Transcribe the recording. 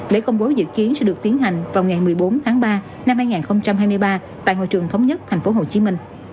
lễ công bố dự kiến sẽ được tiến hành vào ngày một mươi bốn tháng ba năm hai nghìn hai mươi ba tại hội trường thống nhất tp hcm